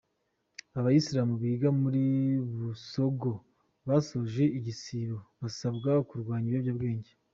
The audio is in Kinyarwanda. Abayisilamu biga muriBusogo basoje igisibo basabwa kurwanya ibiyobyabwenge